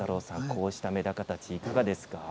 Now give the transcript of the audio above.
こうしためだかたちいかがですか。